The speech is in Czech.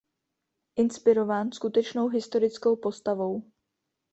Inspirován skutečnou historickou postavou.